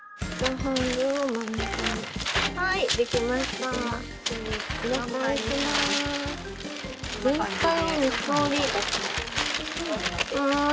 はい。